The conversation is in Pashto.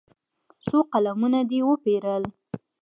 څو قلمونه دې وپېرل.